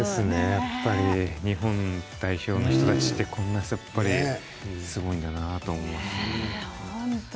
やっぱり日本代表の人たちってこんなすごいんだなって思って。